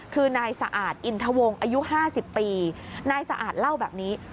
คือนายสะอาดอินทวงอายุ๕๐ปีนายสะอาดเล่าแบบนี้